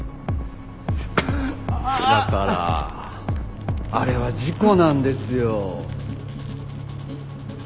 だからあれは事故なんですよ。